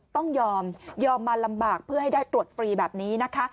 ต้องยอมยอมมาลำบากเพื่อให้ได้ตรวจฟรีแบบนี้นะคะ